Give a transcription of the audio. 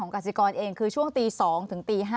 ความชี้แจงของกสิกรเองคือช่วงตี๒ถึงตี๕